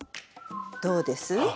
どうです？